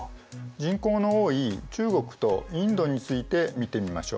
人口の多い中国とインドについて見てみましょう。